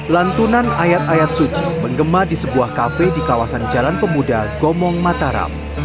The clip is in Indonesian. lantunan ayat ayat suci menggema di sebuah kafe di kawasan jalan pemuda gomong mataram